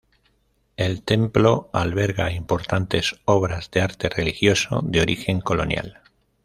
El templo alberga importantes obras de arte religioso de origen colonial.